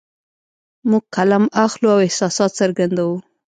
موږ قلم اخلو او احساسات څرګندوو